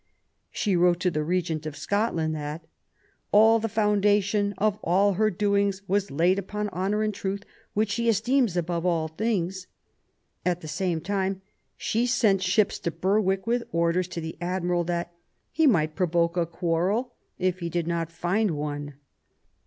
She wrote to the Regent of Scotland that "all the foundation of all her doings was laid upon honour and truth, which she esteems above all things ". PROBLEMS OF THE REIGN, 6i \t the same time, she sent ships to Berwick, with orders to the admiral that he might provoke a quarrel, if he did not find one